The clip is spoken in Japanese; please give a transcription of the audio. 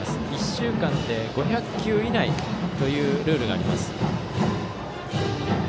１週間で５００球以内というルールがあります。